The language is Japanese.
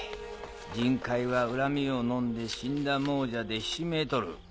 人界は恨みをのんで死んだ亡者でひしめいとる。